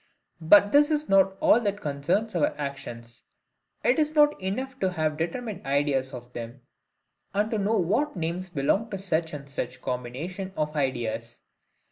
But this is not all that concerns our actions: it is not enough to have determined ideas of them, and to know what names belong to such and such combinations of ideas.